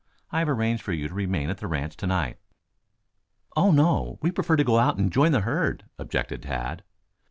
I have arranged for you to remain at the ranch to night." "Oh, no. We prefer to go out and join the herd," objected Tad.